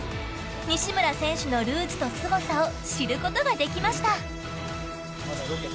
西村選手のルーツとすごさを知ることができました。